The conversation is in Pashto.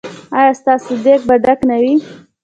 ایا ستاسو دیګ به ډک نه وي؟